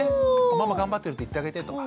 ママ頑張ってるって言ってあげてとか。